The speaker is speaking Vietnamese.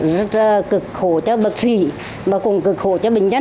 rất cực khổ cho bệnh sĩ và cũng cực khổ cho bệnh nhân